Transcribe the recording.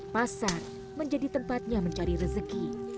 pasar menjadi tempatnya mencari rezeki